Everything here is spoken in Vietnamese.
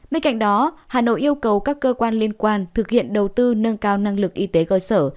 bên cạnh đó hà nội yêu cầu các cơ quan liên quan thực hiện đầu tư nâng cao năng lực y tế cơ sở